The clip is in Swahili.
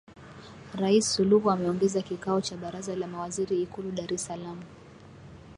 Rais Suluhu ameongoza kikao cha baraza la mawaziri ikulu Dar es Salaam